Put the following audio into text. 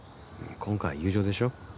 今回は友情でしょ。